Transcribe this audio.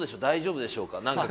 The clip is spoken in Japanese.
大丈夫でしょうか？